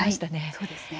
そうですね。